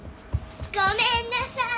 ごめんなさーい。